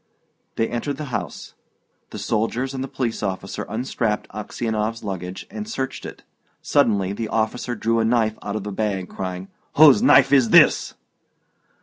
They entered the house. The soldiers and the police officer unstrapped Aksionov's luggage and searched it. Suddenly the officer drew a knife out of a bag, crying, "Whose knife is this?"